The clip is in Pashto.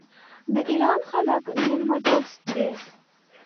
د ایران خلک میلمه دوست دي.